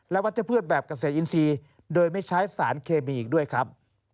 และวัชพืชแบบเกษตรอินทรีย์โดยไม่ใช้สารเคมีอีกด้วยครับ